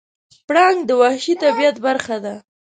پړانګ د وحشي طبیعت برخه ده.